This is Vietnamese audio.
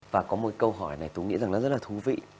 và có một câu hỏi này tôi nghĩ rằng là rất là thú vị